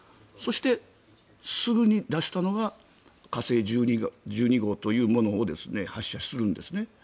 そしてすぐに出したのが火星１２号というものを発射するんですね。